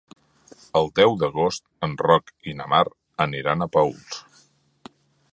El deu d'agost en Roc i na Mar aniran a Paüls.